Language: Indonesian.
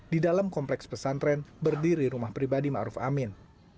di dalam kompleks pesantren berdiri rumah pribadi ma'ruf amin